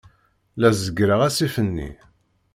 La zeggreɣ asif-nni.